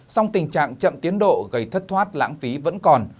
song tình trạng chậm tiến độ gây thất thoát lãng phí vẫn còn